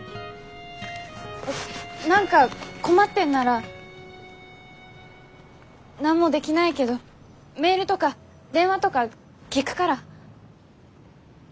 何か困ってんなら何もできないけどメールとか電話とか聞くから。